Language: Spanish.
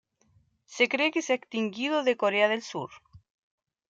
Se cree que se ha extinguido de Corea del Sur.